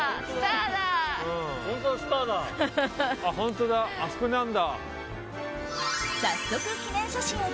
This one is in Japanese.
本当だ、あそこにあるんだ。